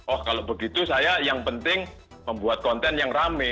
oh kalau begitu saya yang penting membuat konten yang rame